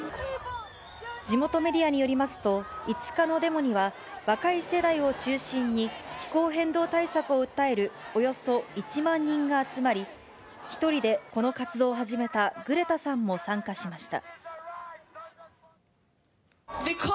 地元メディアによりますと、５日のデモには、若い世代を中心に、気候変動対策を訴えるおよそ１万人が集まり、一人でこの活動を始めたグレタさんも参加しました。